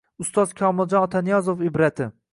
Ustoz Komiljon Otaniyozov ibrati